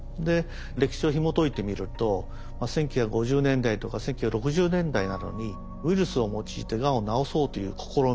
歴史をひもといてみると１９５０年代とか１９６０年代などにウイルスを用いてがんを治そうという試み